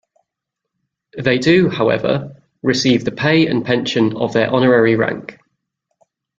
They do, however, receive the pay and pension of their honorary rank.